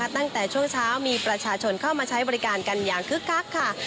ตั้งแต่ช่วงเช้ามีประชาชนเข้ามาใช้บริการกันอย่างคึกคักค่ะ